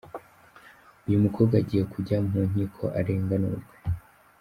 Uyu mukobwa agiye kujya mu nkiko arenganurwe.